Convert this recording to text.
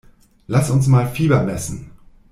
Lass uns mal Fieber messen!